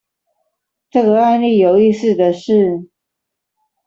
這個案例有意思的是